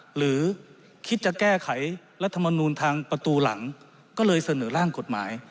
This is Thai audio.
หรือคิดจะแก้ไขรัฐมนูลทางประตูหลังก็เลยเสนอร่างกฎหมาย